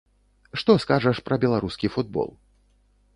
Што скажаш пра беларускі футбол?